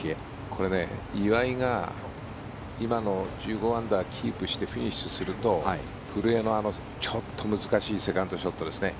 これ、岩井が今の１５アンダーをキープしてフィニッシュすると古江のちょっと難しいセカンドショットですね